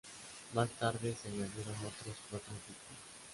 Más tarde se añadieron otros cuatro equipos.